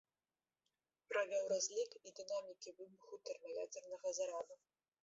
Правёў разлік і дынамікі выбуху тэрмаядзернага зараду.